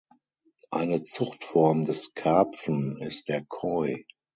Eine Zuchtform des Karpfen ist der Koi.